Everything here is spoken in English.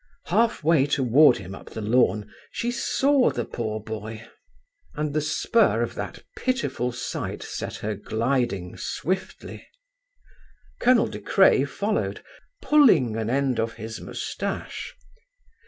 Half way toward him up the lawn, she saw the poor boy, and the spur of that pitiful sight set her gliding swiftly. Colonel De Craye followed, pulling an end of his moustache.